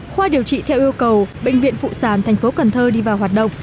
khoa điều trị theo yêu cầu bệnh viện phụ sản tp cn đi vào hoạt động